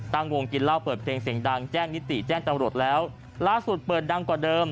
ตั้งวงกินเหล้าเปิดเพลงเสียงดังแจ้งนิติแจ้งจำรวจแล้วล่าสุดเปิดดังกว่าเดิม